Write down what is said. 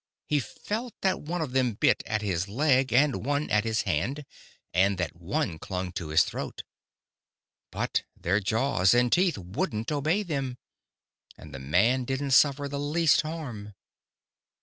He felt that one of them bit at his leg and one at his hand and that one clung to his throat. But their jaws and teeth wouldn't obey them, and the man didn't suffer the least harm.